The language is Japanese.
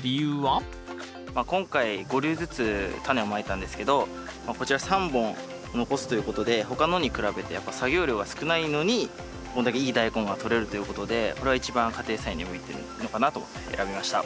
今回５粒ずつタネをまいたんですけどこちら３本残すということで他のに比べてやっぱ作業量が少ないのにこんだけいいダイコンがとれるということでこれが一番家庭菜園に向いてるのかなと思って選びました。